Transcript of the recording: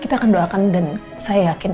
kita akan doakan dan saya yakin